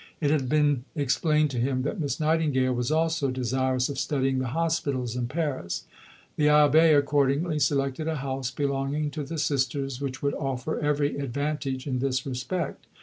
It had been explained to him that Miss Nightingale was also desirous of studying the hospitals in Paris. The Abbé accordingly selected a House belonging to the Sisters which would offer every advantage in this respect.